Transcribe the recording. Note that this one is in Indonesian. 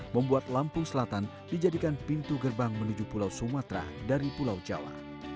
membuat lampung selatan dijadikan pintu gerbang menuju pulau sumatera dari pulau jawa